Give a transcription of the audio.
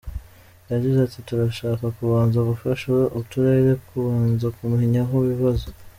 Yagize ati “Turashaka kubanza gufasha uturere kubanza kumenya aho ibibazo.